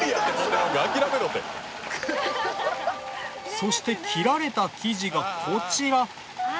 そして切られた生地がこちら。